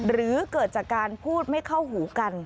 หรือเกิดจากการพูดไม่เข้าหูกัน